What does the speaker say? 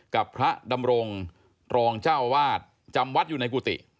กับพระดำรงรองเจ้าวาดจำวัดอยู่ในกุฏิ